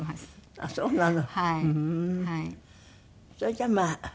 あっそうなの。